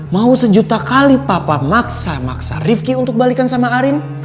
mau sejuta kali papa maksa maksa rifki untuk balikan sama arin